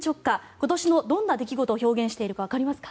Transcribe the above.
今年のどんな出来事を表現しているかわかりますか？